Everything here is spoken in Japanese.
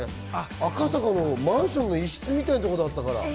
赤坂のマンションの一室みたいなところだったから。